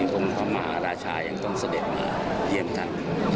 องค์มหมาราชาอย่างต้องเสด็จเงินท่าน